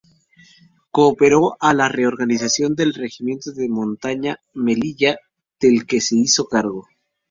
Cooperó a la reorganización del Regimiento de Montaña Melilla del que se hizo cargo.